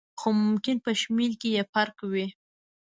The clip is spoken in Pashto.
خو ممکن په شمېر کې یې فرق وي.